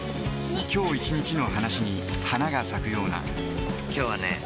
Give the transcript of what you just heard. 今日一日の話に花が咲くような今日はね